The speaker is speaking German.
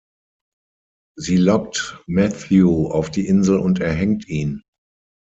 Sie lockt Matthew auf die Insel und erhängt ihn.